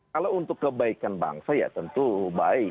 kalau untuk kebaikan bangsa ya tentu baik